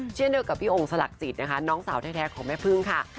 เช่นเดียวกับพี่องค์สลักจิตนะคะน้องสาวแท้ของแม่พึ่งค่ะ